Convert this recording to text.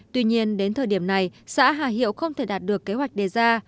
tuy nhiên đến thời điểm này xã hà hiệu không thể đạt được kế hoạch đề ra